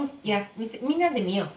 みんなで見よう。